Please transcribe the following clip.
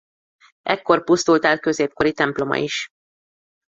Ekkor pusztult el középkori temploma is.